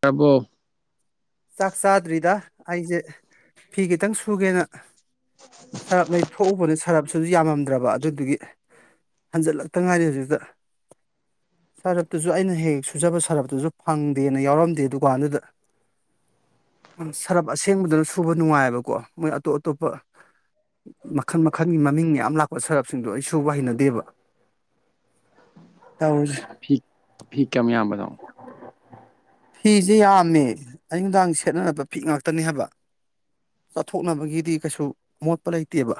ꯇꯥꯕꯣ ꯆꯥꯛ ꯆꯥꯗ꯭ꯔꯤꯗ ꯑꯩꯁꯦ ꯐꯤ ꯈꯤꯇꯪ ꯁꯨꯒꯦꯅ ꯁꯔꯞ ꯂꯩ ꯊꯣꯛꯎꯕꯅ ꯁꯔꯞ ꯑꯗꯨꯨꯁꯨ ꯌꯥꯝꯃꯝꯗ꯭ꯔꯕ ꯑꯗꯨꯗꯨꯒꯤ ꯍꯟꯖꯜꯂꯛꯇ ꯉꯥꯏꯔꯤ ꯍꯧꯖꯤꯛꯇ ꯁꯔꯞꯇꯨꯁꯨ ꯑꯩꯅ ꯍꯦꯛ ꯁꯨꯖꯕ ꯁꯔꯞꯇꯨꯁꯨ ꯐꯪꯗꯦꯅ ꯌꯥꯎꯔꯝꯗꯦ ꯗꯨꯀꯥꯟꯗꯨꯗ ꯁꯔꯞ ꯑꯁꯦꯡꯕꯗꯨꯅ ꯁꯨꯕ ꯅꯨꯡꯉꯥꯏꯑꯕꯀꯣ ꯃꯣꯏ ꯑꯇꯣꯞ ꯑꯇꯣꯞꯄ ꯃꯈꯜ ꯃꯈꯜꯒꯤ ꯃꯃꯤꯡ ꯃꯌꯥꯝ ꯂꯥꯛꯄ ꯁꯔꯞꯁꯤꯡꯗꯣ ꯑꯩ ꯁꯨꯕ ꯍꯩꯅꯗꯦꯕ ꯇꯧꯔꯁ ꯐꯤ ꯐꯤ ꯀꯌꯥꯝꯌꯥꯝꯕꯅꯣ ꯐꯤꯖꯦ ꯌꯥꯝꯃꯦ ꯑꯌꯨꯛ ꯅꯨꯡꯗꯥꯡ ꯁꯦꯠꯅꯕ ꯐꯤ ꯉꯥꯛꯇꯅꯦ ꯍꯥꯏꯕ ꯆꯠꯊꯣꯛꯅꯕꯒꯤꯗꯤ ꯀꯩꯁꯨ ꯃꯣꯠꯄ ꯂꯩꯇꯦꯕ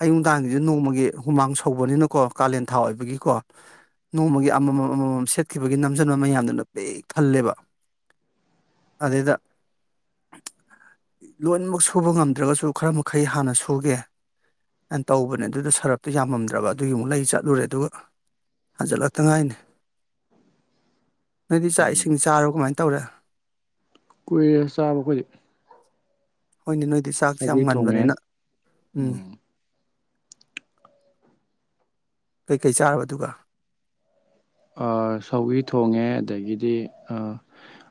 ꯑꯌꯨꯛ ꯅꯨꯡꯗꯥꯡꯒꯤꯖꯦ ꯅꯣꯡꯃꯒꯤ ꯍꯨꯃꯥꯡ ꯁꯧꯕꯅꯤꯅꯀꯣ ꯀꯥꯂꯦꯟ ꯊꯥ ꯑꯣꯏꯕꯒꯤꯀꯣ ꯅꯣꯡꯃꯒꯤ ꯑꯃꯃꯝ ꯑꯃꯃꯝ ꯁꯦꯠꯈꯤꯕꯒꯤ ꯅꯝꯖꯟꯕ ꯃꯌꯥꯝꯗꯨꯅ ꯄꯤꯛ ꯊꯜꯂꯦꯕ ꯑꯗꯩꯗ ꯂꯣꯏꯅꯃꯛ ꯁꯨꯕ ꯉꯝꯗ꯭ꯔꯒꯁꯨ ꯈꯔ ꯃꯈꯩ ꯍꯥꯟꯅ ꯁꯨꯒꯦ ꯑꯦꯟ ꯇꯧꯕꯅꯦ ꯑꯗꯨꯗ ꯁꯔꯞꯇꯣ ꯌꯥꯝꯃꯝꯗ꯭ꯔꯕ ꯑꯗꯨꯒꯤ ꯑꯃꯨꯛ ꯂꯩ ꯆꯠꯂꯨꯔꯦ ꯑꯗꯨꯒ ꯍꯟꯖꯤꯜꯂꯛꯇ ꯉꯥꯏꯅꯤ ꯅꯣꯏꯗꯤ ꯆꯥꯛ ꯎꯝ ꯏꯁꯤꯡ ꯆꯥꯔꯣ ꯀꯃꯥꯏꯅ ꯇꯧꯔꯦ ꯀꯨꯏꯔꯦ ꯆꯥꯕ ꯑꯩꯈꯣꯏꯗꯤ ꯍꯣꯏꯅꯦ ꯅꯣꯏꯗꯤ ꯆꯥꯛꯁꯦ ꯌꯥꯝ ꯁꯧꯒ꯭ꯔꯤ ꯊꯣꯡꯉꯦ ꯉꯟꯕꯅꯤꯅ ꯎꯝ ꯀꯩꯀꯩ ꯆꯥꯔꯕ ꯑꯗꯨꯒ ꯑ ꯁꯧꯒꯤ ꯊꯣꯡꯉꯦ ꯑꯗꯒꯤꯗꯤ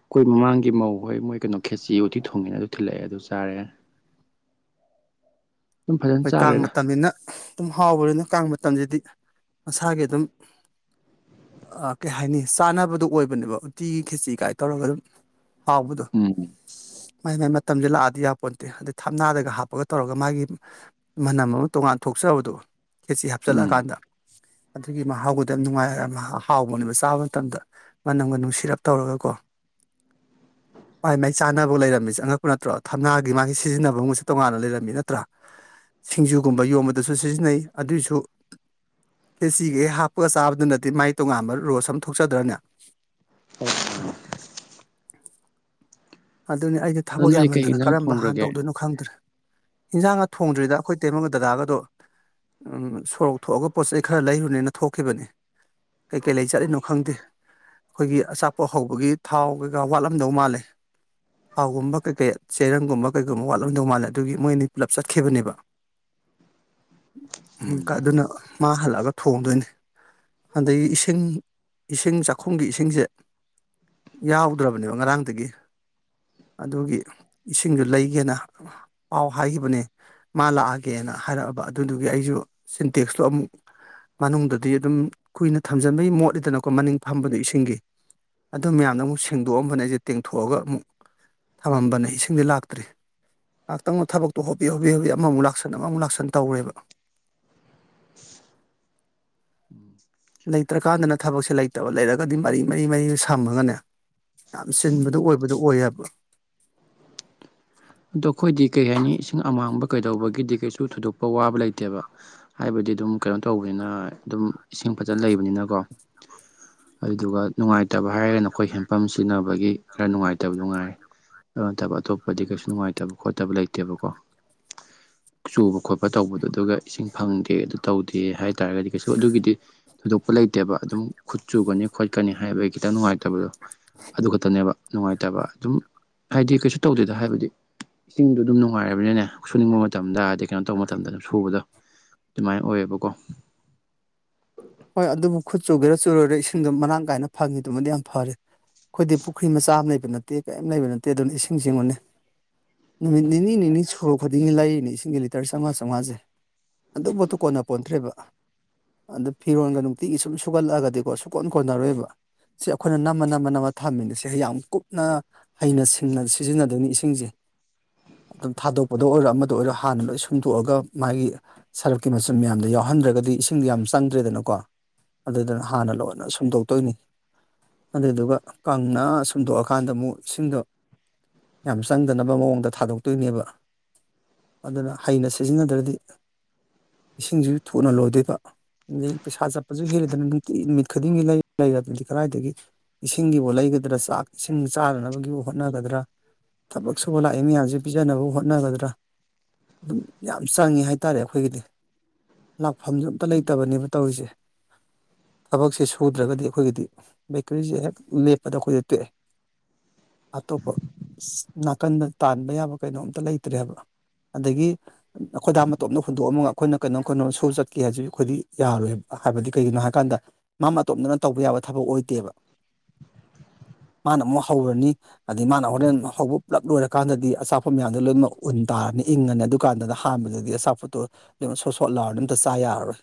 ꯑꯩꯈꯣꯏ ꯃꯃꯥꯡꯒꯤ ꯃꯧ ꯍꯣꯏ ꯃꯣꯏ ꯀꯩꯅꯣ ꯈꯦꯆꯤ ꯎꯇꯤ ꯊꯣꯡꯉꯦꯅ ꯑꯗꯨ ꯊꯤꯜꯂꯛꯑꯦ ꯑꯗꯨ ꯆꯥꯔꯦ ꯑꯗꯨꯝ ꯐꯖꯅ ꯍꯣꯏ ꯀꯥꯡ ꯆꯥꯈ꯭ꯔꯦꯗ ꯃꯇꯝꯅꯤꯅ ꯑꯗꯨꯝ ꯍꯥꯎꯕꯅꯤꯅ ꯀꯥꯡ ꯃꯇꯝꯁꯤꯗꯤ ꯃꯁꯥꯒꯤ ꯑꯗꯨꯝ ꯑ ꯀꯩ ꯍꯥꯏꯅꯤ ꯆꯥꯅꯕꯗꯣ ꯑꯣꯏꯕꯅꯦꯕ ꯎꯇꯤꯒꯤ ꯈꯦꯆꯤ ꯀꯥꯏ ꯇꯧꯔꯒ ꯑꯗꯨꯝ ꯍꯥꯎꯕꯗꯣ ꯎꯝ ꯃꯥꯥꯏ ꯃꯥꯏ ꯃꯇꯝꯁꯦ ꯂꯥꯛꯑꯗꯤ ꯌꯥꯄꯣꯟꯇꯦ ꯑꯗꯩ ꯊꯞꯅꯥꯗꯒ ꯍꯥꯞꯄꯒ ꯇꯧꯔꯒ ꯃꯥꯒꯤ ꯃꯅꯝ ꯑꯃ ꯇꯣꯉꯥꯟ ꯊꯣꯛꯆꯕꯗꯣ ꯈꯦꯆꯤ ꯎꯝ ꯍꯥꯞꯆꯤꯜꯂꯀꯥꯟꯗ ꯑꯗꯨꯒꯤ ꯃꯥꯍꯥꯎꯒꯗꯣ ꯌꯥꯝ ꯅꯨꯡꯉꯥꯏꯔ ꯃꯥ ꯍꯥꯎꯕꯅꯦꯕ ꯆꯥꯕ ꯃꯇꯝꯗ ꯃꯅꯝꯒꯅꯨꯡ ꯁꯤꯔꯞ ꯇꯧꯔꯒ ꯀꯣ [inaudible] ꯃꯥꯏ ꯃꯥꯏ ꯆꯥꯅꯕ ꯂꯩꯔꯝꯃꯤꯁꯦ ꯑꯉꯛꯄ ꯅꯠꯇ꯭ꯔꯣ ꯊꯝꯅꯥꯒꯤ ꯃꯥꯒꯤ ꯁꯤꯖꯤꯟꯅꯐꯝꯒꯨꯝꯕꯖꯨ ꯇꯣꯉꯥꯟꯅ ꯂꯩꯔꯝꯃꯤ ꯅꯠꯇ꯭ꯔꯥ ꯁꯤꯡꯖꯨꯒꯨꯝꯕ ꯌꯣꯟꯕꯗꯁꯨ ꯁꯤꯖꯤꯟꯅꯩ ꯑꯗꯨꯏꯁꯨ ꯈꯦꯆꯤꯒ ꯍꯦꯛ ꯍꯥꯞꯄꯒ ꯆꯥꯕꯗꯨꯅꯗꯤ ꯃꯥꯏ ꯇꯣꯉꯥꯟꯕ ꯔꯣꯁ ꯑꯃ ꯊꯣꯛꯆꯗ꯭ꯔꯅꯦ [unintelligible] ꯑꯗꯨꯅꯤ ꯑꯩꯗꯤ ꯑꯗꯣ ꯊꯕꯛ ꯅꯣꯏꯗꯤ ꯀꯩ ꯌꯥꯝꯍꯟꯗꯅ ꯌꯦꯟꯖꯥꯡ ꯀꯔꯝꯕ ꯍꯥꯟ ꯊꯣꯡꯈ꯭ꯔꯒꯦ ꯇꯧꯗꯣꯏꯅꯣ ꯈꯪꯗ꯭ꯔꯦ ꯍꯦꯟꯖꯥꯡꯒꯥ ꯊꯣꯡꯗ꯭ꯔꯤꯗ ꯑꯩꯈꯣꯏ ꯇꯩꯃꯪꯒ ꯗꯗꯥꯒꯗꯣ ꯎꯝ ꯁꯣꯔꯣꯛ ꯊꯣꯛꯑꯒ ꯄꯣꯠ ꯆꯩꯩ ꯈꯔ ꯂꯩꯔꯨꯅꯦꯅ ꯊꯣꯛꯈꯤꯕꯅꯤ ꯀꯩꯀꯩ ꯂꯩ ꯆꯠꯂꯤꯅꯣ ꯈꯪꯗꯦ ꯑꯩꯈꯣꯏꯒꯤ ꯑꯆꯥꯄꯣꯠ ꯍꯧꯕꯒꯤ ꯊꯥꯎ ꯀꯩꯀꯥ ꯋꯥꯠꯂꯝꯗꯧ ꯃꯥꯜꯂꯦ ꯍꯥꯎꯒꯨꯝꯕ ꯀꯩ ꯀꯩ ꯆꯦꯔꯪꯒꯨꯝꯕ ꯀꯩꯒꯨꯝꯕ ꯋꯥꯠꯂꯝꯗꯧ ꯃꯥꯜꯂꯦ ꯑꯗꯨꯒꯤ ꯃꯣꯏ ꯑꯅꯤ ꯄꯨꯂꯞ ꯆꯠꯈꯤꯕꯅꯦꯕ [unintelligible] ꯎꯝ ꯀ ꯑꯗꯨꯅ ꯃꯥ ꯍꯜꯂꯛꯑꯒ ꯊꯣꯡꯗꯣꯏꯅꯤ ꯑꯗꯩꯒꯤ ꯏꯁꯤꯡ ꯏꯁꯤꯡ ꯆꯥꯛꯈꯨꯝꯒꯤ ꯏꯁꯤꯡꯁꯦ ꯌꯥꯎꯗ꯭ꯔꯕꯅꯦꯕ ꯉꯔꯥꯡꯗꯒꯤ ꯑꯗꯨꯒꯤ ꯏꯁꯤꯡꯗꯨ ꯂꯩꯒꯦꯅ ꯄꯥꯎ ꯍꯥꯏꯒꯤꯕꯅꯤ ꯃꯥ ꯂꯥꯛꯑꯒꯦꯅ ꯍꯥꯏꯔꯛꯑꯕ ꯑꯗꯨꯗꯨꯒꯤ ꯑꯩꯁꯨ ꯁꯤꯟꯇꯦꯛꯁꯇꯣ ꯑꯃꯨꯛ ꯃꯅꯨꯡꯗꯗꯤ ꯑꯗꯨꯝ ꯀꯨꯏꯅ ꯊꯝꯖꯟꯕꯩ ꯃꯣꯠꯂꯤꯗꯅꯀꯣ ꯃꯅꯤꯡ ꯐꯝꯕꯗꯣ ꯏꯁꯤꯡꯒꯤ ꯑꯗꯨ ꯃꯌꯥꯝꯅꯃꯨꯛ ꯁꯦꯡꯗꯣꯛꯑꯝꯕꯅꯦ ꯑꯩꯁꯦ ꯇꯦꯡꯊꯣꯛꯑ ꯊꯣꯛꯑꯒ ꯑꯃꯨꯛ ꯊꯝꯃꯝꯕꯅꯦ ꯏꯁꯤꯡꯗꯤ ꯂꯥꯛꯇ꯭ꯔꯤ ꯉꯥꯛꯇꯪꯗ ꯊꯕꯛꯇꯣ ꯍꯣꯕꯦ ꯍꯣꯕꯦ ꯑꯃ ꯑꯃꯨꯛ ꯂꯥꯛꯁꯟ ꯑꯃ ꯑꯃꯨꯛ ꯂꯥꯛꯁꯟ ꯇꯧꯋꯦꯕ ꯂꯩꯇ꯭ꯔꯀꯥꯟꯗꯅ ꯊꯕꯛꯁꯦ ꯂꯩꯇꯕ ꯂꯩꯔꯒꯗꯤ ꯃꯔꯤ ꯃꯔꯤ ꯃꯔꯤ ꯁꯝꯃꯒꯅꯦ ꯌꯥꯝ ꯁꯤꯟꯕꯗꯣ ꯑꯣꯏꯕꯗꯨ ꯑꯣꯏꯌꯦꯕ ꯑꯗꯣ ꯑꯩꯈꯣꯏꯗꯤ ꯀꯩ ꯍꯥꯏꯅꯤ ꯏꯁꯤꯡ ꯑꯃꯥꯡꯕ ꯀꯩꯗꯧꯕꯒꯤꯗꯤ ꯀꯩꯁꯨ ꯊꯣꯏꯗꯣꯛꯄ ꯋꯥꯕ ꯂꯩꯇꯦꯕ ꯍꯥꯏꯕꯗꯤ ꯑꯗꯨꯝ ꯀꯩꯅꯣ ꯇꯧꯕꯅꯤꯅ ꯑꯗꯨꯝ ꯏꯁꯤꯡ ꯐꯖꯅ ꯂꯩꯕꯅꯤꯅꯀꯣ [unintelligible] ꯑꯗꯨꯗꯨꯒ ꯅꯨꯡꯉꯥꯏꯇꯕ ꯍꯥꯏꯔꯒꯅ ꯑꯩꯈꯣꯏ ꯍꯦꯟꯄꯝ ꯁꯤꯖꯤꯟꯅꯕꯒꯤ ꯈꯔ ꯅꯨꯡꯉꯥꯏꯇ ꯂꯩꯇꯕ ꯅꯨꯡꯉꯥꯏꯔꯦ ꯑꯗꯨ ꯅꯠꯇꯕ ꯑꯇꯣꯞꯄꯗꯤ ꯀꯩꯁꯨ ꯅꯨꯡꯉꯥꯏꯇꯕ ꯈꯣꯠꯇꯕ ꯂꯩꯇꯦꯕꯀꯣ ꯆꯨꯕ ꯈꯣꯠꯄ ꯇꯧꯕꯗꯣ ꯑꯗꯨꯒ ꯏꯁꯤꯡ ꯐꯪꯗꯦ ꯑꯗꯨ ꯇꯧꯗꯦ ꯍꯥꯏ ꯍꯥꯏꯇꯥꯥꯔꯒꯗꯤ ꯀꯩꯁꯨ ꯑꯗꯨꯒꯤꯗꯤ ꯊꯣꯏꯗꯣꯛꯄ ꯂꯩꯇꯦꯕ ꯑꯗꯨꯝ ꯈꯨꯠ ꯆꯨꯒꯅꯤ ꯈꯣꯠꯀꯅꯤ ꯍꯥꯏꯕ ꯑꯩ ꯈꯤꯇꯪ ꯅꯨꯡꯉꯥꯏꯇꯕꯗꯣ ꯑꯗꯨ ꯈꯛꯇꯅꯦꯕ ꯅꯨꯡꯉꯥꯏꯇꯕ ꯑꯗꯨꯝ ꯍꯥꯏꯗꯤ ꯀꯩꯁꯨ ꯇꯧꯗꯦꯗ ꯍꯥꯏꯕꯗꯤ ꯏꯁꯤꯡꯗꯣ ꯑꯗꯨꯝ ꯅꯨꯡꯉꯥꯏꯔꯕꯅꯤꯅꯅꯦ ꯁꯨꯅꯤꯡꯕ ꯃꯇꯝꯗ ꯑꯗꯩ ꯀꯩꯅꯣ ꯇꯧꯕ ꯃꯇꯝꯗ ꯑꯗꯨꯝ ꯁꯨꯕꯗꯣ ꯑꯗꯨꯃꯥꯏ ꯑꯣꯏꯌꯦꯕꯀꯣ ꯍꯣꯏ ꯑꯗꯨꯕꯨ ꯈꯨꯠ ꯆꯨꯒꯦꯔꯥ ꯆꯨꯔꯣꯏꯔꯥ ꯏꯁꯤꯡꯗꯣ ꯃꯔꯥꯡ ꯀꯥꯏꯅ ꯐꯪꯉꯤꯗꯨꯃꯗꯤ ꯌꯥꯝ ꯐꯔꯦ ꯑꯩꯈꯣꯏꯗꯤ ꯄꯨꯈ꯭ꯔꯤ ꯃꯆꯥ ꯑꯃ ꯂꯩꯕ ꯅꯠꯇꯦ ꯀꯦꯝ ꯂꯩꯕ ꯅꯠꯇꯦ ꯑꯗꯨꯅ ꯏꯁꯤꯡ ꯆꯤꯡꯉꯨꯅꯤ ꯅꯨꯃꯤꯠ ꯅꯤꯅꯤ ꯅꯤꯅꯤ ꯁꯨꯔ ꯈꯨꯗꯤꯡꯒꯤ ꯂꯩꯔꯤꯅꯦ ꯏꯁꯤꯡꯒꯤ ꯂꯤꯇꯔ ꯆꯝꯉꯥ ꯆꯥꯝꯃꯉꯥꯁꯦ ꯑꯗꯨ ꯄꯣꯠꯇꯨ ꯀꯣꯟꯅ ꯄꯣꯟꯊꯇ꯭ꯔꯦꯕ ꯑꯗꯨ ꯐꯤꯔꯣꯟꯒ ꯅꯨꯡꯇꯤꯒꯤ ꯁꯨꯝ ꯁꯨꯒꯠꯂꯛꯑꯒꯗꯤꯀꯣ ꯁꯨꯀꯣꯟ ꯀꯣꯟꯅꯔꯣꯏꯕ ꯁꯤ ꯑꯩꯈꯣꯏꯅ ꯅꯝꯃ ꯅꯝꯃ ꯅꯝꯃ ꯊꯥꯃꯤꯟꯅꯁꯦ ꯌꯥꯝ ꯀꯨꯞꯅ ꯍꯩꯅ ꯁꯤꯡꯅ ꯁꯤꯖꯤꯟꯅꯗꯣꯏꯅꯤ ꯏꯁꯤꯡꯁꯦ ꯑꯗꯨꯝ ꯊꯥꯗꯣꯛꯄꯗ ꯑꯣꯏꯔꯣ ꯑꯃꯗ ꯑꯣꯏꯔꯣ ꯍꯥꯟꯅ ꯂꯣꯏ ꯁꯨꯡꯗꯣꯛꯑꯒ ꯃꯥꯒꯤ ꯁꯔꯛꯀꯤ ꯃꯆꯨꯝ ꯃꯌꯥꯝꯗꯣ ꯌꯥꯎꯍꯟꯗ꯭ꯔꯒꯗꯤ ꯏꯁꯤꯡꯗ ꯌꯥꯝ ꯆꯪ ꯗ꯭ꯔꯦꯗꯅꯀꯣ ꯑꯗꯨꯗꯨꯅ ꯍꯥꯟꯅ ꯂꯣꯏꯅ ꯁꯨꯝꯗꯣꯛꯇꯣꯏꯅꯤ ꯑꯗꯨꯗꯨꯒ ꯀꯪꯅ ꯁꯨꯝꯗꯣꯛꯑꯀꯥꯟꯗ ꯑꯃꯨꯛ ꯏꯁꯤꯡꯗꯣ ꯌꯥꯝ ꯆꯪꯗꯅꯕ ꯃꯑꯣꯡꯗ ꯊꯥꯗꯣꯛꯇꯣꯏꯅꯦꯕ ꯑꯗꯨꯅ ꯍꯩꯅ ꯁꯤꯖꯤꯟꯅꯗ꯭ꯔꯗꯤ ꯏꯁꯤꯡꯖꯨ ꯊꯨꯅ ꯂꯣꯏꯗꯣꯏꯕ ꯑꯗꯩ ꯄꯩꯁꯥ ꯆꯠꯄꯁꯨ ꯍꯦꯜꯂꯤꯗ ꯅꯨꯡꯇꯤ ꯅꯨꯃꯤꯠ ꯈꯨꯗꯤꯡꯒꯤ ꯂꯩꯔꯕꯗꯤ ꯀꯗꯥꯏꯗꯒꯤ ꯏꯁꯤꯡꯒꯤꯕꯨ ꯂꯩꯒꯗ꯭ꯔꯥ ꯆꯥꯛ ꯏꯁꯤꯡ ꯆꯥꯅꯕꯒꯤꯕꯨ ꯍꯣꯠꯅꯒꯗ꯭ꯔꯥ ꯊꯕꯛ ꯁꯨꯕ ꯂꯥꯛꯏ ꯃꯌꯥꯝꯁꯤꯕꯨ ꯄꯤꯖꯅꯕ ꯍꯣꯠꯅꯒꯗ꯭ꯔꯥ ꯑꯗꯨꯝ ꯌꯥꯝ ꯆꯪꯉꯤ ꯍꯥꯏꯇꯥꯔꯦ ꯑꯩꯈꯣꯏꯒꯤꯗꯤ ꯂꯥꯛꯐꯝꯁꯨ ꯑꯝꯇ ꯂꯩꯇꯦ ꯐꯠꯇꯕꯅꯦꯕ ꯇꯧꯔꯤꯁꯦ ꯊꯕꯛꯁꯦ ꯁꯨꯗ꯭ꯔꯒꯗꯤ ꯑꯩꯈꯣꯏꯒꯤꯗꯤ ꯕꯦꯀꯔꯤꯁꯦ ꯍꯦꯛ ꯂꯦꯞꯄꯗ ꯑꯩꯈꯣꯏꯗꯤ ꯇꯦꯛꯑꯦ ꯑꯇꯣꯞꯄ ꯅꯥꯀꯟꯗ ꯇꯥꯟꯕ ꯌꯥꯕ ꯀꯩꯅꯣꯝꯇ ꯂꯩꯇ꯭ꯔꯦꯕ ꯑꯗꯒꯤ ꯑꯩꯈꯣꯏꯗꯥ ꯃꯇꯣꯝꯇ ꯍꯨꯟꯗꯣꯛꯑꯃꯒ ꯑꯩꯈꯣꯏꯅ ꯀꯩꯅꯣꯝ ꯀꯩꯅꯣꯝ ꯁꯨ ꯆꯠꯀꯦ ꯍꯥꯏꯁꯤ ꯑꯩꯈꯣꯏꯗꯤ ꯌꯥꯔꯣꯏꯕ ꯍꯥꯏꯕꯗꯤ ꯀꯩꯒꯤꯅꯣ ꯍꯥꯏꯀꯥꯟꯗ ꯃꯥ ꯃꯇꯣꯝꯗꯅ ꯇꯧꯕ ꯌꯥꯕ ꯊꯕꯛ ꯑꯣꯏꯗꯦꯕ [inaudible] ꯃꯥꯅ ꯑꯃꯨꯛ ꯍꯧꯔꯅꯤ ꯑꯗꯩ ꯃꯥꯅ ꯍꯣꯔꯦꯟ ꯍꯧꯕ ꯄꯨꯜꯂꯞ ꯂꯣꯏꯔꯀꯥꯟꯗꯗꯤ ꯑꯆꯥꯄꯣꯠ ꯃꯌꯥꯝꯗꯣ ꯂꯣꯏꯅꯃꯛ ꯎꯟ ꯇꯥꯔꯅꯤ ꯏꯪꯉꯅꯤ ꯑꯗꯨꯀꯥꯟꯗꯨꯗ ꯑꯍꯥꯟꯕꯗꯗꯤ ꯑꯆꯥꯄꯣꯠꯇꯣ ꯑꯗꯨꯝ ꯁꯣꯠ ꯁꯣꯠꯂꯥꯎꯔꯗꯤ ꯑꯝꯇ ꯆꯥ ꯌꯥꯔꯔꯣꯏ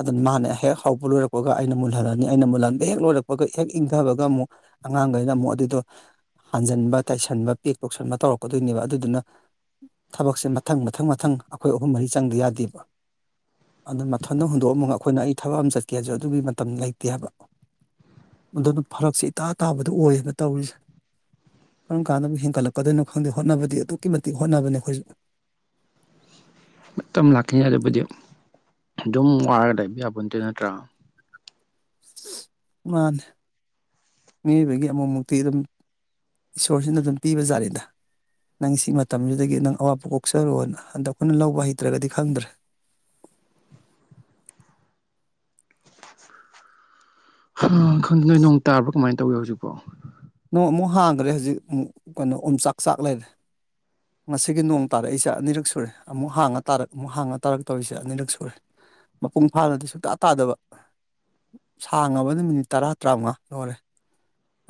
ꯑꯗꯨꯅ ꯃꯥꯅꯦ ꯍꯦꯛ ꯍꯧꯕ ꯂꯣꯏꯔꯛꯄꯒ ꯑꯩꯅ ꯃꯨꯜꯍꯜꯂꯅꯤ ꯑꯩꯅ ꯃꯨꯜꯍꯟꯕ ꯍꯦꯛ ꯂꯣꯏꯔꯛꯄꯒ ꯍꯦꯛ ꯏꯪꯊꯕꯒ ꯑꯃꯨꯛ ꯑꯉꯥꯡꯈꯩꯅ ꯑꯃꯨꯛ ꯑꯗꯨꯢꯗꯣ ꯍꯟꯖꯟꯕ ꯇꯥꯏꯁꯟꯕ ꯄꯦꯛ ꯇꯣꯛꯁꯟꯕ ꯇꯧꯔꯛꯀꯗꯣꯏꯅꯦꯕ ꯑꯗꯨꯗꯨꯅ ꯊꯕꯛꯁꯦ ꯃꯊꯪ ꯃꯊꯪ ꯃꯊꯪ ꯑꯩꯈꯣꯏ ꯑꯍꯨꯝ ꯃꯔꯤ ꯆꯪꯗ ꯌꯥꯗꯦꯕ ꯑꯗꯨꯅ ꯊꯣꯏꯗꯅ ꯍꯨꯟꯗꯣꯛꯑ ꯑꯃꯨꯛ ꯑꯩꯈꯣꯏꯅ ꯑꯩ ꯊꯕꯛ ꯑꯃ ꯆꯠꯀꯦꯁꯨ ꯑꯗꯨꯒꯤ ꯃꯇꯝ ꯂꯩꯇꯦ ꯍꯥꯏꯕ ꯑꯗꯨꯅ ꯐꯔꯛꯁꯦ ꯏꯇꯥ ꯇꯥꯕꯗꯣ ꯑꯣꯏꯌꯦꯕ ꯇꯧꯔꯤꯁꯦ ꯀꯔꯝ ꯀꯥꯟꯗꯕꯨ ꯍꯦꯟꯒꯠꯂꯛꯀꯗꯣꯏꯅꯣ ꯈꯪꯗꯦ ꯍꯣꯠꯅꯕꯗꯤ ꯑꯗꯨꯛꯀꯤ ꯃꯇꯤꯛ ꯍꯣꯠꯅꯕꯅꯦ ꯑꯩꯈꯣꯏꯁꯨ ꯃꯇꯝ ꯂꯥꯛꯈꯤꯅꯤ ꯑꯗꯨꯕꯨꯗꯤ ꯑꯗꯨꯝ ꯋꯥꯔꯒ ꯂꯩꯕ ꯌꯥꯕꯣꯟꯇꯦ ꯅꯠꯇ꯭ꯔꯥ ꯃꯥꯅꯦ ꯃꯤꯑꯣꯏꯕꯒꯤ ꯑꯃꯛꯃꯨꯛꯇꯤ ꯑꯗꯨꯝ ꯏꯁꯣꯔꯁꯤꯅ ꯑꯗꯨꯝ ꯄꯤꯕꯖꯥꯠꯆꯤꯗ ꯅꯪ ꯁꯤ ꯃꯇꯝꯁꯤꯗꯒꯤ ꯅꯪ ꯑꯋꯥꯕ ꯀꯣꯛꯆꯔꯣꯅ ꯑꯗꯥ ꯑꯩꯈꯣꯏꯅ ꯂꯧꯕ ꯍꯩꯇ꯭ꯔꯒꯗꯤ ꯈꯪꯗ꯭ꯔꯦ ꯈꯪꯗꯦ ꯅꯣꯏ ꯅꯣꯡ ꯇꯥꯕ꯭ꯔꯥ ꯀꯃꯥꯏꯅ ꯇꯧꯒꯦ ꯍꯧꯖꯤꯛꯄꯣ ꯅꯣꯡ ꯑꯃꯨꯛ ꯍꯥꯡꯈ꯭ꯔꯦ ꯍꯧꯖꯤꯛ ꯑꯃꯨꯛ ꯀꯩꯅꯣ ꯑꯣꯝ ꯆꯥꯛ ꯆꯥꯛ ꯂꯩꯔꯦ ꯉꯁꯤꯒꯤ ꯅꯣꯡ ꯇꯥꯔꯛꯏꯁꯦ ꯑꯅꯤꯔꯛ ꯁꯨꯔꯦ ꯑꯃꯨꯛ ꯍꯥꯡꯉ ꯇꯥꯔꯛ ꯑꯃꯨꯛ ꯍꯥꯡꯉ ꯇꯥꯔꯛ ꯇꯧꯔꯤꯁꯦ ꯑꯅꯤꯔꯛ ꯁꯨꯔꯦ ꯃꯄꯨꯡ ꯐꯥꯅꯗꯤ ꯁꯨꯛꯇꯥ ꯇꯥꯗꯕ ꯁꯥꯡꯉꯕꯗ ꯃꯤꯅꯤꯠ ꯇꯔꯥ ꯇꯔꯥꯃꯉꯥ ꯂꯣꯢꯔꯦ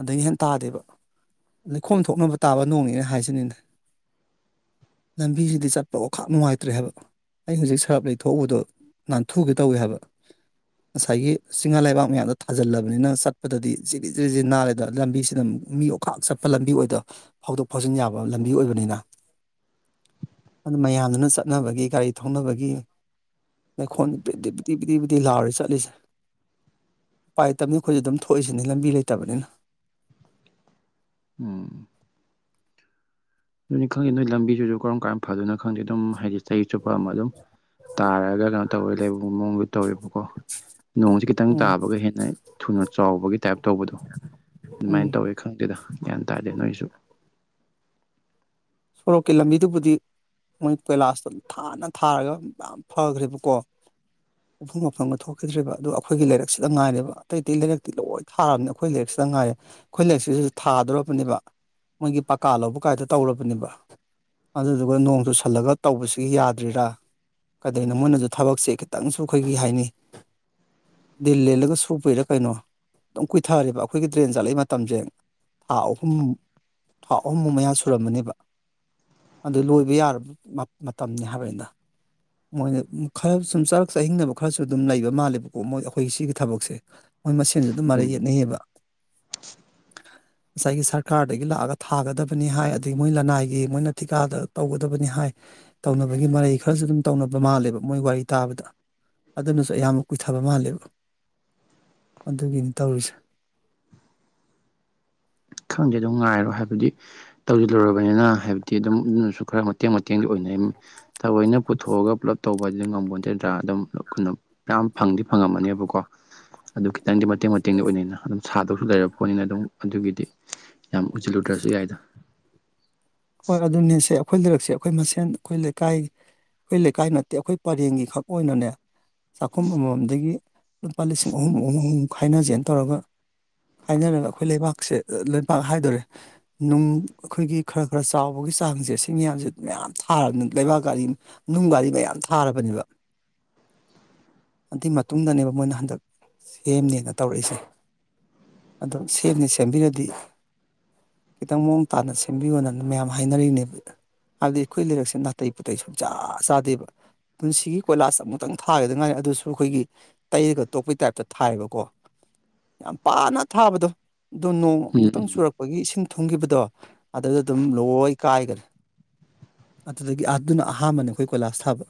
ꯑꯗꯒꯤ ꯍꯦꯟꯅ ꯇꯥꯗꯦꯕ ꯂꯩꯈꯣꯝ ꯊꯣꯛꯅꯕ ꯇꯥꯕ ꯅꯣꯡꯅꯤꯅ ꯍꯥꯏꯁꯤꯅꯤꯅꯦ ꯂꯝꯕꯤꯁꯤꯗꯤ ꯆꯠꯄ ꯑꯣꯛꯈꯥꯛ ꯅꯨꯡꯉꯥꯏꯇ꯭ꯔꯦ ꯍꯥꯏꯕ ꯑꯩ ꯍꯧꯖꯤꯛ ꯁꯔꯞ ꯂꯩꯕ ꯊꯣꯛꯎꯕꯗꯣ ꯅꯥꯟꯊꯨꯒꯦ ꯇꯧꯏ ꯍꯥꯏꯕ ꯉꯁꯥꯏꯒꯤ ꯆꯤꯡꯍꯥ ꯂꯩꯕꯥꯛ ꯃꯌꯥꯝꯗꯣ ꯊꯥꯖꯤꯜꯂꯕꯅꯤꯅ ꯆꯠꯄꯗꯗꯤ ꯖꯤꯔꯤꯔꯤ ꯁꯤ ꯅꯥꯜꯂꯦꯗꯅ ꯂꯝꯕꯤꯁꯤꯅ ꯃꯤ ꯑꯣꯈꯥꯛ ꯆꯠꯄ ꯂꯝꯕꯤ ꯑꯣꯏꯗꯣ ꯐꯥꯎꯗꯣꯛ ꯐꯥꯎꯖꯤꯟ ꯌꯥꯕ ꯂꯝꯕꯤ ꯑꯣꯏꯕꯅꯤꯅ ꯑꯗꯨ ꯃꯌꯥꯝꯗꯨꯅ ꯆꯠꯅꯕꯒꯤ ꯒꯥꯔꯤ ꯊꯧꯅꯕꯒꯤ ꯂꯩꯈꯣꯝ ꯄꯤꯗꯤ ꯄꯤꯗꯤ ꯄꯤꯗꯤ ꯂꯥꯎꯔꯦ ꯆꯠꯂꯤꯁꯦ ꯎꯄꯥꯏ ꯂꯩꯇꯕꯅꯤꯅ ꯑꯩꯈꯣꯏꯁꯨ ꯑꯗꯨꯝ ꯊꯣꯛꯏꯁꯤꯅꯤ ꯂꯝꯕꯤ ꯂꯩꯇꯕꯅꯤꯅ ꯎꯝ ꯑꯗꯨꯅꯤ ꯈꯪꯗꯦ ꯅꯣꯏ ꯂꯝꯕꯤꯁꯤꯁꯨ ꯀꯔꯝ ꯀꯥꯟꯗ ꯐꯗꯨꯢꯅꯣ ꯈꯪꯗꯦ ꯑꯗꯨꯝ ꯍꯥꯏꯗꯤ ꯆꯍꯤ ꯆꯨꯞꯄ ꯑꯃ ꯑꯗꯨꯝ ꯇꯥꯔꯛꯑꯒ ꯀꯩꯅꯣ ꯇꯧꯋꯦ ꯂꯩꯕ ꯃꯑꯣꯡꯗ ꯇꯧꯋꯦꯕꯀꯣ ꯅꯣꯡꯁꯦ ꯈꯤꯇꯪ ꯎꯝ ꯇꯥꯕꯒ ꯍꯦꯟꯅ ꯊꯨꯅ ꯆꯥꯎꯕꯒꯤ ꯇꯥꯏꯞ ꯇꯧꯕꯗꯣ ꯑꯗꯨꯃꯥꯏꯅ ꯎꯝ ꯇꯧꯋꯦ ꯈꯪꯗꯦꯗ ꯒ꯭ꯌꯥꯟ ꯇꯥꯗꯦ ꯅꯣꯏꯁꯨ ꯁꯣꯔꯣꯛꯀꯤ ꯂꯝꯕꯤꯗꯨꯕꯨꯗꯤ ꯃꯣꯏ ꯀꯣꯏꯂꯥꯁꯇꯣ ꯊꯥꯅ ꯊꯥꯔꯒ ꯌꯥꯝ ꯐꯈ꯭ꯔꯦꯕꯀꯣ [unintelligible] ꯃꯐꯝ ꯃꯐꯝꯒ ꯊꯣꯛꯈꯤꯗ꯭ꯔꯔꯤꯕꯕ ꯑꯗꯨꯣ ꯑꯩꯈꯣꯏꯒꯤ ꯂꯩꯥꯏꯛꯁꯤꯗ ꯉꯥꯏꯔꯦꯕ ꯑꯇꯩ ꯑꯇꯩ ꯂꯩꯥꯏꯔꯛꯇꯤ ꯂꯣꯏ ꯊꯥꯔꯕꯅꯤ ꯑꯩꯈꯣꯏ ꯂꯥꯏꯔꯛꯁꯤꯗ ꯉꯥꯏꯔꯦ ꯑꯩꯈꯣꯏ ꯂꯩꯔꯛꯁꯤꯗꯁꯨ ꯊꯥꯗꯣꯔꯕꯅꯦꯕ ꯃꯣꯏꯒꯤ ꯄꯥꯀꯥ ꯂꯧꯕ ꯀꯥꯏꯗ ꯇꯧꯔꯕꯅꯦꯕ ꯑꯗꯨꯗꯨꯒ ꯅꯣꯡꯗꯨꯨ ꯁꯜꯂꯒ ꯇꯧꯕꯁꯤꯒꯤ ꯌꯥꯗ꯭ꯔꯤꯔꯥ ꯑꯗꯥ ꯃꯣꯏꯅꯁꯨ ꯊꯕꯛꯁꯦ ꯈꯤꯇꯪꯁꯨ ꯑꯩꯈꯣꯏꯒꯤ ꯀꯩ ꯍꯥꯏꯅꯤ ꯗꯤꯜ ꯂꯦꯜꯂꯒ ꯁꯨꯕꯩꯔꯥ ꯀꯩꯅꯣ ꯑꯗꯨꯝ ꯀꯨꯏꯊꯔꯦꯕ ꯑꯩꯈꯣꯏꯒꯤ ꯗ꯭ꯔꯦꯟ ꯆꯠꯂꯛꯏ ꯃꯇꯝꯁꯦ ꯊꯥ ꯑꯍꯨꯝ ꯊꯥ ꯑꯍꯨꯝꯃꯨꯛ ꯃꯌꯥ ꯁꯨꯔꯝꯕꯅꯦꯕ ꯑꯗꯨ ꯂꯣꯏꯕ ꯌꯥꯔꯕ ꯃꯇꯝꯅꯤ ꯍꯥꯏꯕꯅꯤꯗ ꯃꯣꯏꯅ ꯈꯔ ꯁꯨꯝ ꯆꯔꯥꯛ ꯆꯥꯍꯤꯡꯅꯕ ꯈꯔꯁꯨ ꯑꯗꯨꯝ ꯂꯩꯕ ꯃꯥꯜꯂꯦꯕꯀꯣ ꯃꯣꯏ ꯑꯩꯈꯣꯏꯒꯤ ꯁꯤꯒꯤ ꯊꯕꯛꯁꯦ ꯃꯣꯏ ꯃꯁꯦꯟꯁꯨ ꯑꯗꯨꯝ ꯃꯔꯩ ꯎꯝ ꯌꯦꯠꯅꯩꯌꯦꯕ [inaudible] ꯉꯁꯥꯏꯒꯤ ꯁꯔꯀꯥꯔꯗꯒꯤ ꯂꯥꯛꯑꯒ ꯊꯥꯒꯗꯕꯅꯤ ꯍꯥꯏ ꯑꯗꯒꯤ ꯃꯣꯏ ꯂꯥꯅꯥꯏ ꯃꯣꯏꯅ ꯊꯤꯀꯥꯗ ꯇꯧꯒꯗꯕꯅꯤ ꯍꯥꯏ ꯇꯧꯅꯕꯒꯤ ꯃꯔꯩ ꯈꯔꯁꯨ ꯑꯗꯨꯝ ꯇꯧꯅꯕ ꯃꯥꯜꯂꯦꯕ ꯃꯣꯏ ꯋꯥꯔꯤ ꯇꯥꯕꯗ ꯑꯗꯨꯅꯁꯨ ꯑꯌꯥꯝꯕ ꯀꯨꯏꯊꯕ ꯃꯥꯜꯂꯦꯕ ꯑꯗꯨꯒꯤꯅꯤ ꯇꯧꯔꯤꯁꯦ ꯈꯪꯗꯦ ꯑꯗꯨꯝ ꯉꯥꯏꯔꯣ ꯍꯥꯏꯕꯗꯤ ꯇꯧꯁꯤꯜꯂꯨꯔꯕꯅꯤꯅ ꯍꯥꯏꯕꯗꯤ ꯑꯗꯨꯝ ꯑꯗꯨꯅꯁꯨ ꯈꯔ ꯃꯇꯦꯡ ꯃꯇꯦꯡꯗꯤ ꯑꯣꯏꯅꯔꯝꯃꯤ ꯊꯑꯣꯏꯅ ꯄꯨꯊꯣꯛꯑꯒ ꯄꯨꯂꯞ ꯇꯧꯕ ꯉꯝꯝꯕꯣꯏ ꯅꯠꯇꯗ꯭ꯔꯥ ꯑꯗꯨꯝꯅ ꯃꯌꯥꯝ ꯐꯪꯗꯤ ꯐꯪꯉꯝꯃꯅꯦꯕꯀꯣ ꯑꯗꯨ ꯈꯤꯇꯪꯗꯤ ꯃꯇꯦꯡ ꯃꯇꯦꯡꯗꯤ ꯑꯣꯏꯅꯤꯅ ꯑꯗꯨꯝ ꯁꯥꯗꯧꯁꯨ ꯂꯩꯔꯕ ꯄꯣꯠꯅꯤꯅ ꯑꯗꯨꯝ ꯑꯗꯨꯒꯤꯗꯤ ꯌꯥꯝ ꯎꯁꯤꯜꯂꯨꯗ꯭ꯔꯁꯨ ꯌꯥꯏꯗꯣ ꯍꯣꯏ ꯑꯗꯨꯅꯦ ꯁꯦ ꯑꯩꯈꯣꯏ ꯂꯩꯔꯛꯁꯦ ꯑꯩꯈꯣꯏ ꯃꯁꯦꯟ ꯑꯩꯈꯣꯏ ꯂꯩꯀꯥꯏ ꯑꯩꯈꯣꯏ ꯂꯩꯀꯥꯏ ꯅꯠꯇꯦ ꯑꯩꯈꯣꯏ ꯄꯔꯦꯡꯒꯤ ꯈꯛ ꯑꯣꯏꯅꯅꯦ ꯆꯥꯛꯈꯨꯝ ꯑꯃꯃꯝꯗꯒꯤ ꯂꯨꯄꯥ ꯂꯤꯁꯤꯡ ꯑꯍꯨꯝ ꯑꯍꯨꯝ ꯑꯨꯝꯃꯨꯛ ꯈꯥꯏꯅꯖꯦꯅ ꯇꯧꯔꯒ ꯍꯥꯏꯅꯔꯒ ꯑꯩꯈꯣꯏ ꯂꯩꯕꯥꯛꯁꯦ ꯂꯩꯄꯥꯛ ꯍꯥꯏꯗꯣꯔꯦ ꯅꯨꯡ ꯑꯩꯈꯣꯏꯒꯤ ꯈꯔ ꯈꯔ ꯆꯥꯎꯕꯒꯤ ꯆꯥꯡꯁꯦ ꯁꯤ ꯃꯌꯥꯝꯁꯦ ꯃꯌꯥꯝ ꯊꯥꯔꯕꯅꯤꯅ ꯂꯩꯕꯥꯛꯀꯔꯤ ꯅꯨꯡ ꯒꯥꯔꯤ ꯃꯌꯥꯝ ꯊꯥꯔꯕꯅꯦꯕ [inaudible] ꯑꯗꯨꯏ ꯃꯇꯨꯡꯗꯅꯦꯕ ꯃꯣꯏꯅ ꯍꯟꯗꯛ ꯁꯦꯝꯅꯦꯅ ꯇꯧꯔꯛꯏꯁꯦ ꯑꯗꯨꯝ ꯁꯦꯝꯅꯤ ꯁꯦꯝꯕꯤꯔꯗꯤ ꯈꯤꯇꯪ ꯃꯑꯣꯡ ꯇꯥꯅ ꯁꯦꯝꯕꯤꯌꯨꯅ ꯃꯌꯥꯝ ꯍꯥꯏꯅꯔꯤꯅꯦꯕ ꯍꯥꯏꯕꯗꯤ ꯑꯩꯈꯣꯏ ꯂꯩꯔꯛꯁꯦ ꯅꯥꯇꯩ ꯄꯣꯇꯩ ꯁꯨꯡ ꯆꯥ ꯆꯥꯗꯦꯕ ꯄꯨꯟꯁꯤꯒꯤ ꯀꯣꯏꯂꯥꯁ ꯑꯃꯨꯛꯇꯪ ꯊꯥꯒꯗꯉꯥꯏꯔꯤ ꯑꯗꯨꯁꯨ ꯑꯩꯈꯣꯏꯒꯤ ꯇꯩꯔꯒ ꯇꯣꯛꯄꯩ ꯇꯥꯏꯞꯇ ꯊꯥꯏꯑꯕꯀꯣ ꯌꯥꯝ ꯄꯥꯅ ꯊꯥꯕꯗꯣ ꯑꯗꯣ ꯎꯝ ꯅꯣꯡꯃꯨꯛꯇꯪ ꯎꯝ ꯆꯨꯔꯛꯄꯒꯤ ꯏꯁꯤꯡ ꯊꯨꯡꯈꯤꯕꯗꯣ ꯑꯗꯨꯗ ꯑꯗꯨꯝ ꯂꯣꯏ ꯀꯥꯏꯈꯔꯦ ꯑꯗꯨꯗꯒꯤ ꯑꯗꯨꯅ ꯑꯍꯥꯟꯕꯅꯤ ꯑꯩꯈꯣꯏ ꯀꯣꯏꯂꯥꯁ ꯊꯥꯕ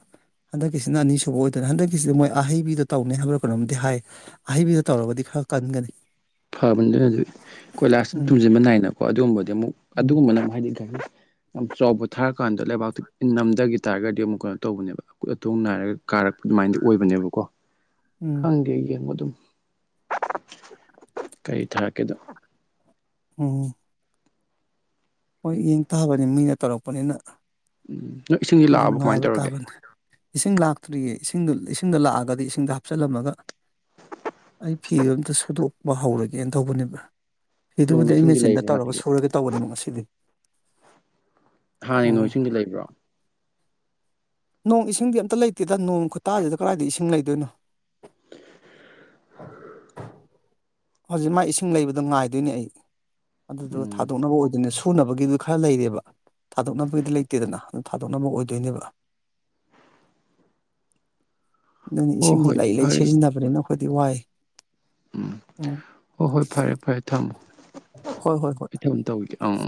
ꯍꯟꯗꯛꯀꯤꯁꯤꯅ ꯑꯅꯤꯁꯨꯕ ꯑꯣꯏꯗꯣꯏ ꯍꯟꯗꯛꯀꯤꯁꯤꯗ ꯃꯣꯏ ꯑꯍꯩꯕꯤꯗ ꯇꯧꯅꯤ ꯍꯥꯏꯕ꯭ꯔ ꯀꯩꯅꯣꯝꯗꯤ ꯍꯥꯏ ꯑꯍꯩꯕꯤꯗ ꯇꯧꯔꯕꯗꯤ ꯈꯔ ꯀꯟꯒꯅꯤ ꯐꯕꯅꯤ ꯑꯗꯨ ꯑꯗꯨ ꯀꯣꯏꯂꯥꯁꯇ ꯎꯝ ꯇꯨꯝꯁꯤꯟꯕ ꯅꯥꯏꯅꯀꯣ ꯑꯗꯨꯒꯨꯝꯕꯗꯤ ꯑꯃꯨꯛ ꯎꯝ ꯑꯗꯨꯒꯨꯝꯕꯅ ꯑꯃꯨꯛ ꯍꯥꯏꯗꯤ ꯌꯥꯝ ꯆꯥꯎꯕ ꯊꯥꯔꯀꯥꯟꯗ ꯂꯩꯕꯥꯛꯇꯣ ꯅꯝꯗꯒꯤ ꯇꯥꯔꯒꯗꯤ ꯑꯃꯨꯛ ꯀꯩꯅꯣ ꯇꯧꯕꯅꯦꯕ ꯑꯀꯨꯠ ꯑꯇꯣꯡ ꯅꯥꯏꯔꯒ ꯀꯥꯔꯛꯄ ꯑꯗꯨꯃꯥꯏꯗꯤ ꯑꯣꯏꯕꯅꯦꯕꯀꯣ ꯎꯝ ꯈꯪꯗꯦ ꯑꯗꯨꯃꯗꯤ ꯀꯩ ꯊꯥꯔꯛꯀꯦꯗꯣ ꯎꯝ ꯍꯣꯏ ꯌꯦꯡ ꯇꯥꯕꯅꯤ ꯃꯤꯅ ꯇꯧꯔꯛꯄꯅꯤꯅ ꯎꯝ ꯅꯣꯏ ꯏꯁꯤꯡꯗꯤ ꯑꯩꯈꯣꯏꯁꯨ ꯂꯥꯛꯑꯕ ꯀꯃꯥꯏꯅ ꯉꯥꯏꯕ ꯇꯧꯔꯒꯦ ꯇꯥꯕꯅꯤ ꯏꯁꯤꯡ ꯂꯥꯛꯇ꯭ꯔꯤꯌꯦ ꯏꯁꯤꯡꯗꯣ ꯏꯁꯤꯡꯗꯣ ꯂꯥꯛꯑꯒꯗꯤ ꯏꯁꯤꯡꯗꯣ ꯍꯥꯞꯆꯤꯜꯂꯝꯃꯒ ꯐꯤꯔꯣ ꯑꯝꯇ ꯁꯨꯗꯣꯛꯄ ꯍꯧꯔꯒꯦꯅ ꯇꯧꯕꯅꯦꯕ ꯅꯣꯡ ꯐꯤꯗꯨꯕꯨꯗ ꯏꯁꯤꯡꯗꯤ ꯏꯃꯦꯖꯤꯟꯗ ꯂꯩꯕ꯭ꯔꯣ ꯇꯧꯔꯒ ꯍꯥꯟꯅꯒꯤ ꯁꯨꯔꯒ ꯇꯧꯕꯅꯤꯕ ꯉꯁꯤꯗꯤ ꯍꯥꯟꯅꯒꯤ ꯅꯣꯡ ꯎꯝ ꯏꯁꯤꯡꯗꯤ ꯂꯩꯕ꯭ꯔꯣ ꯅꯣꯡ ꯏꯁꯤꯡꯗꯤ ꯑꯝꯇ ꯂꯩꯇꯦꯗ ꯅꯣꯡ ꯈꯨꯇꯥꯁꯤꯗ ꯀꯗꯥꯏꯗ ꯏꯁꯤꯡ ꯂꯩꯗꯣꯏꯅꯣ ꯍꯧꯖꯤꯛ ꯃꯥ ꯏꯁꯤꯡ ꯂꯩꯕꯗꯣ ꯉꯥꯏꯗꯣꯏꯅꯦ ꯑꯩ ꯑꯗꯨꯗꯨꯒ ꯎꯝ ꯊꯥꯗꯣꯛꯅꯕ ꯑꯣꯏꯗꯣꯏꯅꯦ ꯊꯨꯅꯕꯒꯤꯗꯨ ꯈꯔ ꯂꯩꯔꯦꯕ ꯊꯥꯗꯣꯛꯅꯕꯒꯤꯗꯤ ꯂꯩꯇꯦꯗꯅ ꯑꯗꯨ ꯊꯥꯗꯣꯛꯅꯕ ꯑꯣꯏꯗꯣꯏꯅꯦꯕ [inaudible] ꯑꯗꯨꯅ ꯍꯣ ꯏꯁꯤꯡꯁ ꯍꯣꯏ ꯂꯩ ꯂꯩ ꯐꯔꯦ ꯁꯤꯖꯤꯟꯅꯕꯅꯤꯅ ꯑꯩꯈꯣꯏꯗꯤ ꯋꯥꯏ ꯎꯝ ꯎꯝ ꯍꯣ ꯍꯣꯏ ꯐꯔꯦ ꯐꯔꯦ ꯊꯝꯃꯣ ꯍꯣꯏ ꯍꯣꯏ ꯍꯣꯏ ꯇꯧꯒꯦ ꯑꯪ ꯑ